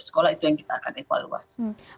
sekolah itu yang kita akan evaluasi